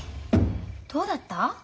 どうだった？